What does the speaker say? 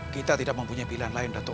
kita tidak mempunyai pilihan lain